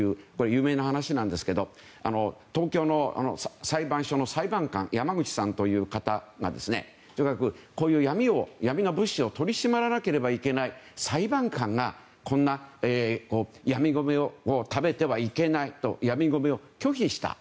有名な話なんですけど東京の裁判所の裁判官山口さんという方が、とにかくこういう闇の物資を取り締まらなければいけない裁判官がヤミ米を食べてはいけないヤミ米を拒否した。